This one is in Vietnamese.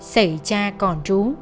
xảy cha còn trú